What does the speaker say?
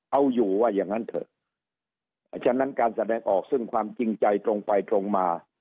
เอาอยู่ว่าอย่างนั้นเถอะฉะนั้นการแสดงออกซึ่งความจริงใจตรงไปตรงมา